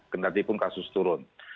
tentatipun kasus turun